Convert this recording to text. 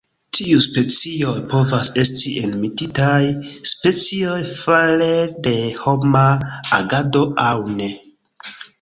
Tiuj specioj povas esti enmetitaj specioj fare de homa agado aŭ ne.